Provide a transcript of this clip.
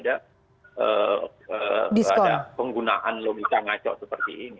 ada penggunaan logika ngaco seperti ini